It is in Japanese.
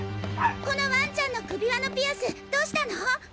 このワンちゃんの首輪のピアスどうしたの？